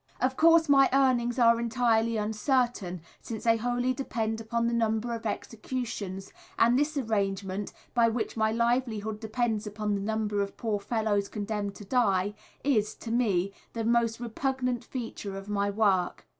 Of course, my earnings are entirely uncertain, since they wholly depend upon the number of executions, and this arrangement, by which my livelihood depends upon the number of poor fellows condemned to die, is, to me, the most repugnant feature of my work.